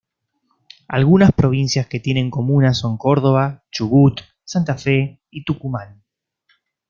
Algunas provincias que tienen comunas son Córdoba, Chubut, Santa Fe y Tucumán.